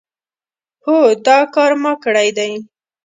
هو دا کار ما کړی دی.